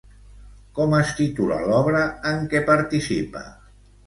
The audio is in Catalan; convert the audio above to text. Com es titula l'obra en què participa?